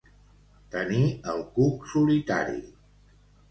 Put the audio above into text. Tenir el cuc solitari.